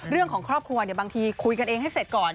เรื่องของครอบครัวบางทีคุยกันเองให้เสร็จก่อน